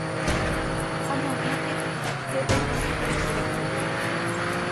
ha mamá hetaite penemongarusékuri